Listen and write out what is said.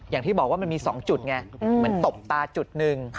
อย่างที่บอกว่ามันมี๒จุดไงเหมือนตบตาจุดหนึ่ง